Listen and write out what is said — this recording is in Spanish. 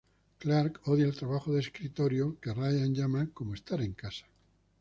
Clark odia el trabajo de escritorio que Ryan llama "como estar en casa".